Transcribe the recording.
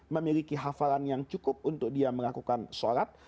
memiliki hafalan yang cukup untuk dia melakukan sholat